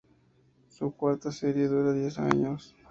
Su cuarta serie dura diez años.